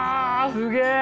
すげえ！